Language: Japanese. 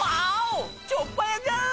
チョッ早じゃん！